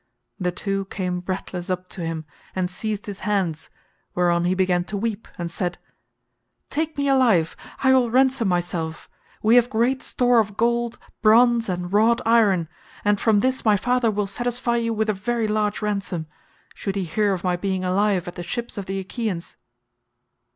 The two came breathless up to him and seized his hands, whereon he began to weep and said, "Take me alive; I will ransom myself; we have great store of gold, bronze, and wrought iron, and from this my father will satisfy you with a very large ransom, should he hear of my being alive at the ships of the Achaeans."